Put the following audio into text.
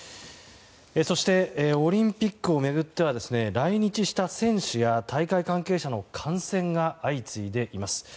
そしてオリンピックを巡っては来日した選手や大会関係者の感染が相次いでいます。